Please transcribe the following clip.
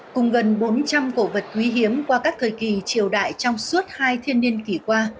cùng gần bốn trăm linh cổ vật quý hiếm qua các thời kỳ triều đại trong suốt hai thiên niên kỷ qua